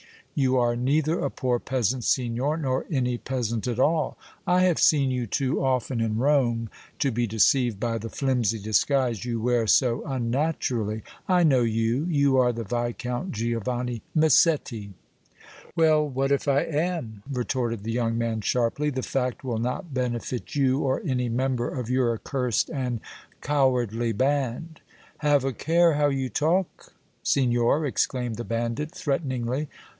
"You are neither a poor peasant, signor, nor any peasant at all! I have seen you too often in Rome to be deceived by the flimsy disguise you wear so unnaturally! I know you! You are the Viscount Giovanni Massetti!" "Well, what if I am?" retorted the young man, sharply. "The fact will not benefit you or any member of your accursed and cowardly band!" "Have a care how you talk, signor!" exclaimed the bandit, threateningly.